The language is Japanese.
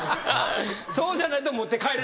そうじゃないと持って帰れなかった。